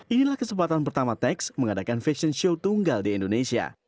inilah kesempatan pertama tax mengadakan fashion show tunggal di indonesia